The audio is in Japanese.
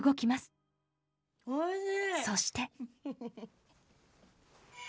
そして。